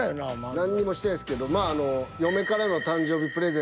何にもしてないですけどまああの。